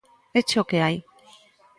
Éche o que hai.